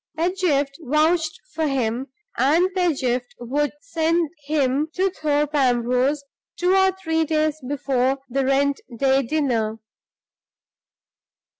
Pedgift vouched for him, and Pedgift would send him to Thorpe Ambrose two or three days before the rent day dinner.